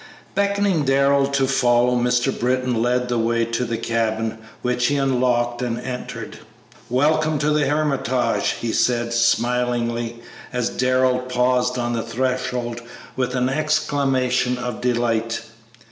Beckoning Darrell to follow, Mr. Britton led the way to the cabin, which he unlocked and entered. "Welcome to the 'Hermitage!'" he said, smilingly, as Darrell paused on the threshold with an exclamation of delight.